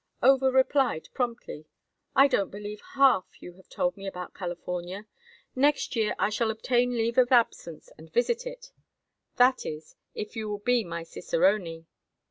Over replied, promptly: "I don't believe half you have told me about California. Next year I shall obtain leave of absence and visit it—that is, if you will be my cicerone."